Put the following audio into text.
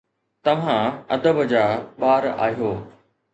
توهان ادب جا ٻار آهيو